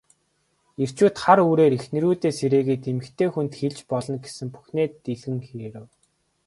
Эрчүүд хар үүрээр эхнэрүүдээ сэрээгээд эмэгтэй хүнд хэлж болно гэсэн бүхнээ дэлгэн ярив.